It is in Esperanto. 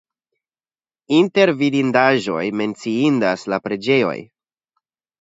Inter vidindaĵoj menciindas la preĝejoj.